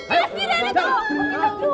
aduh si rada tolong